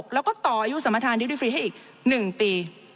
แล้วก็ต่ออายุสมทานยุทธิฟรีให้อีก๑ปี